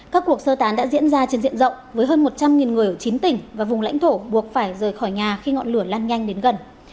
các cuộc sơ tán đã diễn ra trên diện rộng với hơn một trăm linh người ở chín tỉnh và vùng lãnh thổ buộc phải rời khỏi nhà khi ngọn lửa lan nhanh đến gần